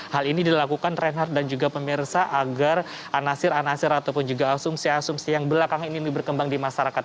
hal ini dilakukan reinhardt dan juga pemirsa agar anasir anasir ataupun juga asumsi asumsi yang belakangan ini lebih berkembang di masyarakat